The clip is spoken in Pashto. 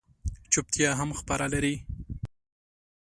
چُپتیا هم خبره لري